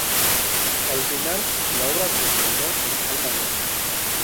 Al final, la obra se estrenó en Almagro.